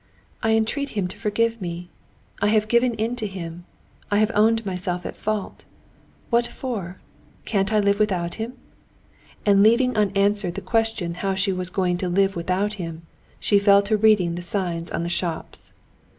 "I entreat him to forgive me. I have given in to him. I have owned myself in fault. What for? Can't I live without him?" And leaving unanswered the question how she was going to live without him, she fell to reading the signs on the shops.